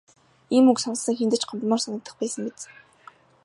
Ийм үг сонссон хэнд ч гомдмоор санагдах байсан биз.